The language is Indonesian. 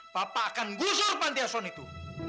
papa akan gusur panti asuan itu